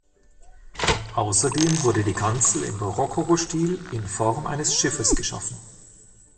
Außerdem wurde die Kanzel im Rokokostil in Form eines Schiffes geschaffen.